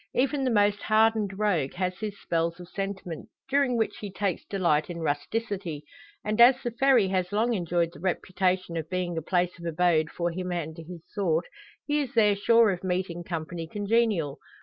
Even the most hardened rogue has his spells of sentiment, during which he takes delight in rusticity; and as the "Ferry" has long enjoyed the reputation of being a place of abode for him and his sort, he is there sure of meeting company congenial.